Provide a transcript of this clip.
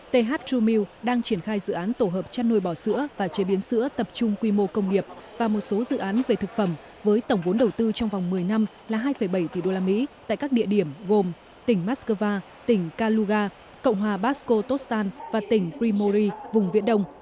th true meal đang triển khai dự án tổ hợp chăn nuôi bò sữa và chế biến sữa tập trung quy mô công nghiệp và một số dự án về thực phẩm với tổng vốn đầu tư trong vòng một mươi năm là hai bảy tỷ usd tại các địa điểm gồm tỉnh moscow tỉnh kaluga cộng hòa basko tostan và tỉnh primori vùng viễn đông